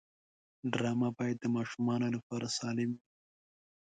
ډرامه باید د ماشومانو لپاره سالم وي